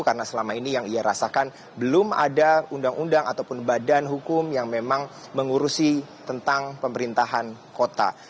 karena selama ini yang ia rasakan belum ada undang undang ataupun badan hukum yang memang mengurusi tentang pemerintahan kota